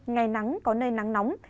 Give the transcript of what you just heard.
ngày nắng có nơi nắng nóng